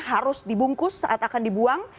harus dibungkus saat akan dibuang